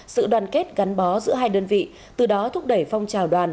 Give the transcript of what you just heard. sự đoàn kết gắn bó giữa hai đơn vị từ đó thúc đẩy phong trào đoàn